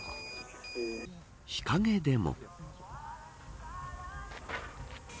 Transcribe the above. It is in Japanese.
日陰でも。